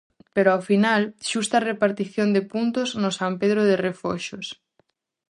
Pero ao final, xusta repartición de puntos no San Pedro de Refoxos.